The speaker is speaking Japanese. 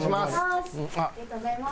ありがとうございます。